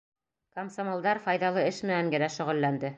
Комсомолдар файҙалы эш менән генә шөғөлләнде.